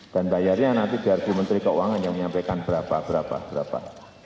dan bayarnya nanti biar bumenteri keuangan yang menyampaikan berapa berapa berapa